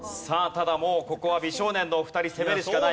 ただもうここは美少年のお二人攻めるしかない。